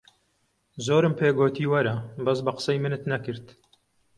زۆرم پێ گۆتی وەرە، بەس بە قسەی منت نەکرد.